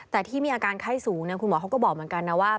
แต่ที่มีอาการไข้สูงคุณหมอเขาก็บอกเหมือนกันนะว่า